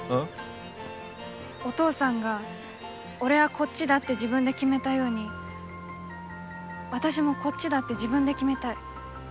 お父さんが俺はこっちだって自分で決めたように私もこっちだって自分で決めたい。